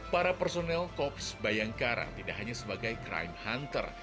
para personel kops bayangkara tidak hanya sebagai crime hunter